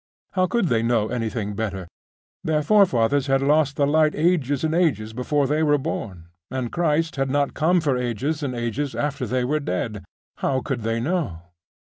how could they know anything better? Their forefathers had lost the light ages and ages before they were born.... And Christ had not come for ages and ages after they were dead.... How could they know?....